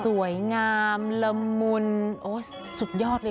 สวยงามละมุนสุดยอดเลยคุณ